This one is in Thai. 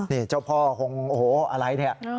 นี่เจ้าพ่อคงโอ้โหอะไรเนี่ย